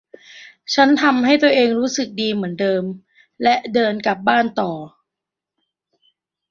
ฉันทำให้ตัวเองรู้สึกดีเหมือนเดิมและเดินกลับบ้านต่อ